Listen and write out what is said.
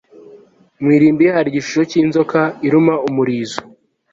mu irimbi, hari igishusho cyinzoka iruma umurizo